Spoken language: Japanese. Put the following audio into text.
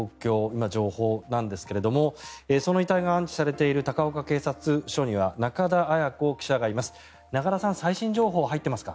今、情報なんですがその遺体が安置されている高岡警察署には中田絢子記者がいます。